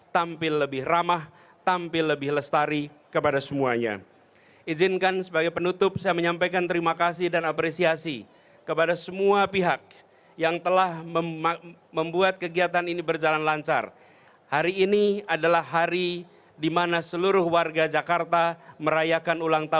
tadi pak itu di belakang kita itu terlihat ada video mapping